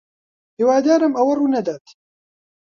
ھیوادارم ئەوە ڕوونەدات.